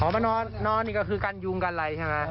มานอนนอนนี่ก็คือกันยุงกันไรใช่ไหม